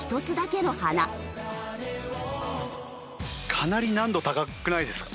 かなり難度高くないですか？